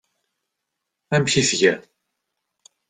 Amek i tgiḍ?